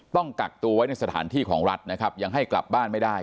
ต้องกักตัวไว้ในสถานที่ของรัฐนะครับยังให้กลับบ้านไม่ได้